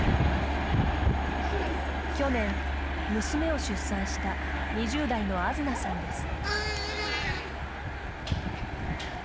去年、娘を出産した２０代のあづなさんです。